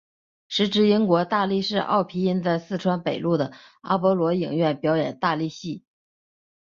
时值英国大力士奥皮音在四川北路的阿波罗影院表演大力戏。